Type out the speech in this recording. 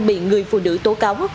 bị người phụ nữ tố cáo